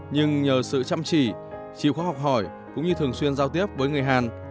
nhưng nhờ sự chăm chỉ chịu khó học hỏi cũng như thường xuyên giao tiếp với người hàn